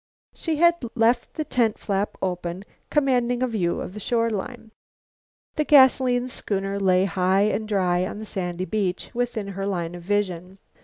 She had left the tent flap open, commanding a view of the shore line. The gasoline schooner lay high and dry on the sandy beach, within her line of vision.